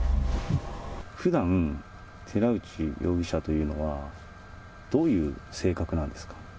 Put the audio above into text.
ふだん、寺内容疑者というのは、どういう性格なんですか？